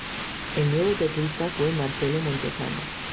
El nuevo teclista fue Marcelo Montesano.